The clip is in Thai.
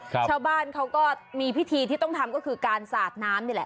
ชาวบ้านเขาก็มีพิธีที่ต้องทำก็คือการสาดน้ำนี่แหละ